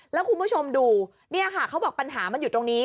แล้วคุณผู้ชมดูเนี่ยค่ะเขาบอกปัญหามันอยู่ตรงนี้